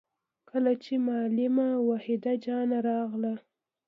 کله چې معلم وحيده جانه راغله